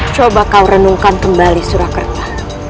coba kau renungkan kembali surakarta